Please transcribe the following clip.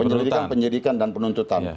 penyelidikan penyelidikan penuntutan